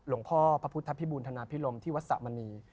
หลวงพ่อพระพุทธพิบูรณฑนาภิรมที่วัศสะมณี